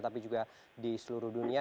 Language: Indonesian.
tapi juga di seluruh dunia